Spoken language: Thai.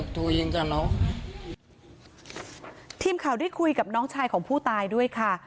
ทีมข่าวได้คุยกับน้องชายของผู้ตายด้วยค่ะ